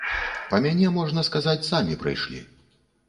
Па мяне, можна сказаць, самі прыйшлі.